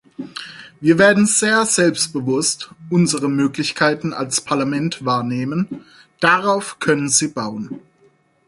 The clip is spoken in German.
Wir werden sehr selbstbewusst unsere Möglichkeiten als Parlament wahrnehmen, darauf können Sie bauen.